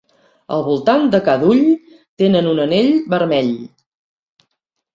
Al voltant de cada ull tenen un anell vermell.